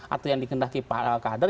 atau yang dikendaki kader